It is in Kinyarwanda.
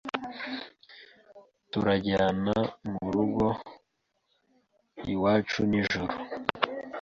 Turajyana murugo iwacu nijoro